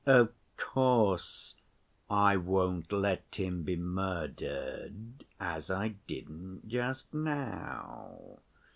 "Of course I won't let him be murdered as I didn't just now.